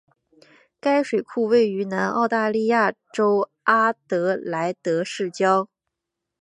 该水库位于南澳大利亚州阿德莱德市郊。